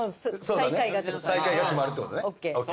最下位が決まるってことねＯＫ。